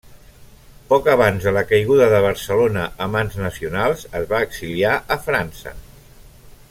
Poc abans de la caiguda de Barcelona a mans nacionals es va exiliar a França.